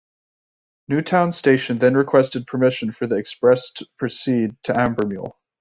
Newtown station then requested permission for the express to proceed to Abermule.